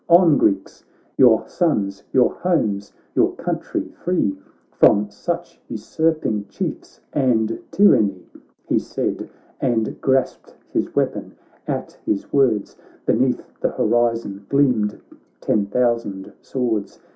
On, Greeks !— your sons, your homes, your country free From such usurping Chiefs and tyranny !' He said, and grasped his weapon ; at his words Beneath the horizon gleamed ten thou sand swords.